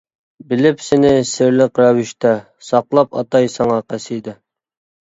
بىلىپ سېنى سىرلىق رەۋىشتە، ساقلاپ ئاتاي ساڭا قەسىدە.